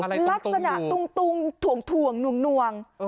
ลักษณะตุงถ่วงหน่วง